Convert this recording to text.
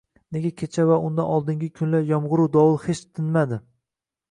Nega kecha va undan avvalgi kunlar yomg’iru-dovul hech tinmadi.